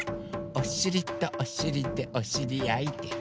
「おしりとおしりでおしりあい」